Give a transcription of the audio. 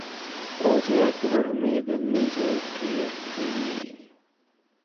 ও যে একেবারে মেয়েদের নিজের কীর্তি।